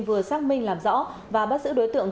vừa xác minh làm rõ và bắt giữ đối tượng